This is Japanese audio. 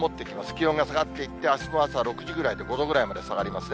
気温が下がっていって、あすの朝６時ぐらいで５度ぐらいまで下がりますね。